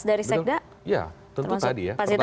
dari sekda ya tentu tadi ya